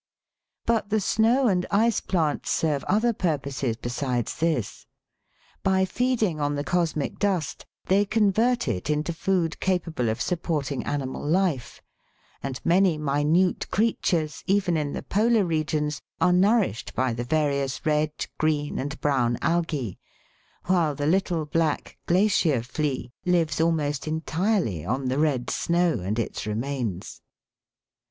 But the snow and ice plants serve other purposes be sides this. By feeding on the cosmic dust they convert it into food capable of supporting animal life, and many minute creatures, even in the Polar regions, are nourished by the various, red, green, and brown algae, while the little black " glacier flea " lives almost entirely on the red snow and its remains.